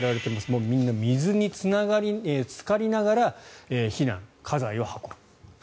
もうみんな水につかりながら避難家財を運ぶ。